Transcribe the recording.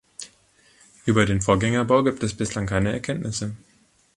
Über den Vorgängerbau gibt es bislang keine Erkenntnisse.